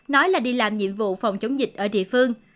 nói là đi làm nhiệm vụ phòng chống dịch ở địa phương